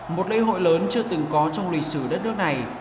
một lễ hội lớn chưa từng có trong lịch sử đất nước này